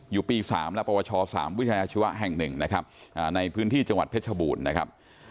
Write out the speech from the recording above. อยู่ปี๓และปวช๓วิทยาชีวะแห่ง๑นะครับในพื้นที่จังหวัดเพชรบูรณ์นะครับ